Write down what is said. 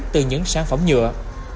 từ những sản phẩm nhựa